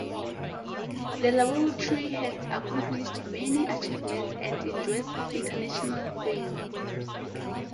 The Laboratory has accomplished many achievements and enjoys international fame.